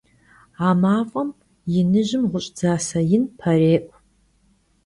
A maf'em yinıjım ğuş' dzase yin perê'u.